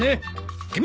君！